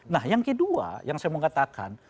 nah yang kedua yang saya mau katakan